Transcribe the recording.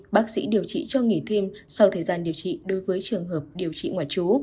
bác sĩ điều trị cho nghỉ thêm sau thời gian điều trị đối với trường hợp điều trị ngoại trú